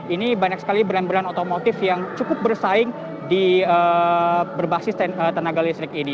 ini banyak sekali brand brand otomotif yang cukup bersaing di berbasis tenaga listrik ini